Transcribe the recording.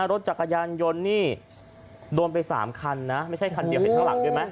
รถจักรยานยนต์นี่โดนไป๓คันนะไม่ใช่คันเดียวเห็นข้างหลังด้วยไหม